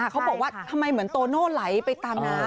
เขาบอกว่าทำไมเหมือนโตโน่ไหลไปตามน้ำ